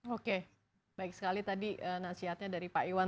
oke baik sekali tadi nasihatnya dari pak iwan